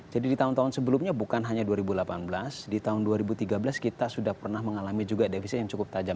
jadi di tahun tahun sebelumnya bukan hanya dua ribu delapan belas di tahun dua ribu tiga belas kita sudah pernah mengalami juga defisit yang cukup tajam